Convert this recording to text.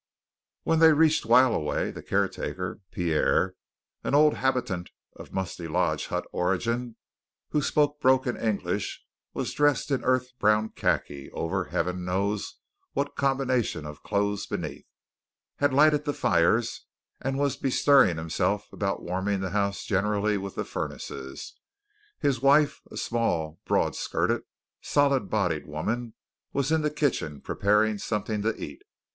When they reached While a Way, the caretaker, Pierre, an old habitant of musty log hut origin, who spoke broken English and was dressed in earth brown khaki over Heaven knows what combination of clothes beneath, had lighted the fires and was bestirring himself about warming the house generally with the furnaces. His wife, a small, broad skirted, solid bodied woman, was in the kitchen preparing something to eat.